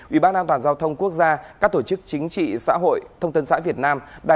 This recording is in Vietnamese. ubnd giao thông quốc gia các tổ chức chính trị xã hội thông tin xã việt nam